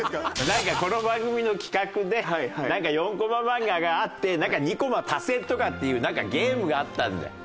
なんかこの番組の企画で４コマ漫画があって２コマ足せとかっていうゲームがあったんだよ。